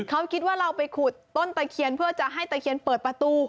เขาคิดว่าเราไปขุดต้นตะเคียนเพื่อจะให้ตะเคียนเปิดประตู